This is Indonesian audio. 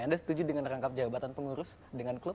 anda setuju dengan rangkap jabatan pengurus dengan klub